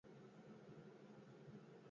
Gaztea terapian dago aspaldi.